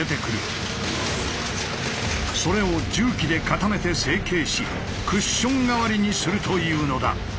それを重機で固めて成形しクッション代わりにするというのだ。